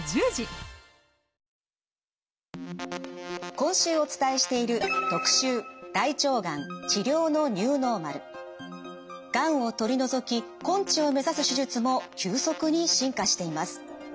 今週お伝えしているがんを取り除き根治を目指す手術も急速に進化しています。